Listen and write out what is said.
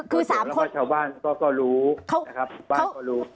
คือสามแล้วก็ชาวบ้านก็รู้นะครับบ้านก็รู้